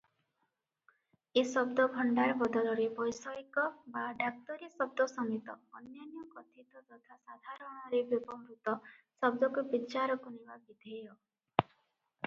ଏ ଶବ୍ଦଭଣ୍ଡାର ବଦଳରେ ବୈଷୟିକ ବା ଡାକ୍ତରୀ ଶବ୍ଦ ସମେତ ଅନ୍ୟାନ୍ୟ କଥିତ ତଥା ସାଧାରଣରେ ବ୍ୟବହୃତ ଶବ୍ଦକୁ ବିଚାରକୁ ନେବା ବିଧେୟ ।